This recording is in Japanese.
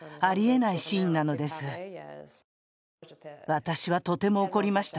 私はとても怒りました。